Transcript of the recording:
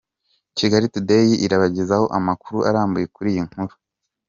Kigali Today irabagezaho amakuru arambuye kuri iyi nkuru.